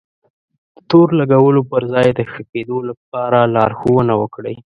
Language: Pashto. د تور لګولو پر ځای د ښه کېدو لپاره لارښونه وکړئ.